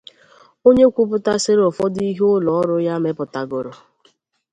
onye kwupụtasịrị ụfọdụ ihe ụlọọrụ ya mepụtàgoro